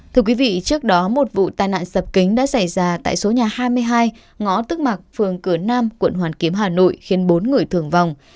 thưa quý vị trước đó một vụ tai nạn sập kính đã xảy ra tại số nhà hai mươi hai ngõ tức mạc phường cửa nam quận hoàn kiếm hà nội khiến bốn người thương vong